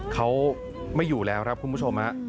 เขาไม่อยู่แล้วครับคุณผู้ชม